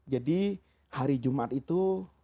jadi hari jumat itu